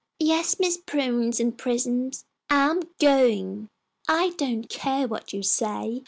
"Yes, Miss Prunes and Prisms, I am going, I don't care what you say.